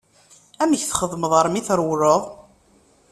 Amek txedmeḍ armi trewleḍ?